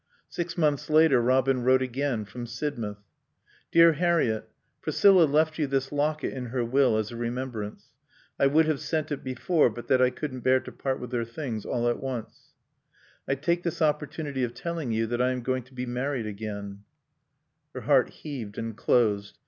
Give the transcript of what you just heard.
Six months later Robin wrote again, from Sidmouth. "Dear Harriett: Priscilla left you this locket in her will as a remembrance. I would have sent it before but that I couldn't bear to part with her things all at once. "I take this opportunity of telling you that I am going to be married again " Her heart heaved and closed.